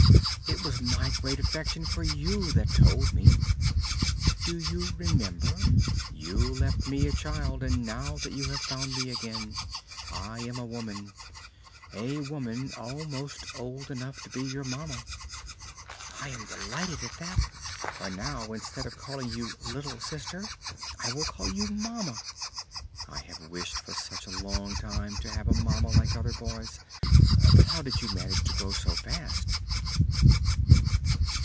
"It was my great affection for you that told me." "Do you remember? You left me a child, and now that you have found me again I am a woman a woman almost old enough to be your mamma." "I am delighted at that, for now, instead of calling you little sister, I will call you mamma. I have wished for such a long time to have a mamma like other boys! But how did you manage to grow so fast?"